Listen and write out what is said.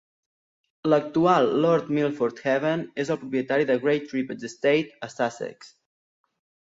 L'actual Lord Milford Haven és el propietari de Great Trippetts Estate a Sussex.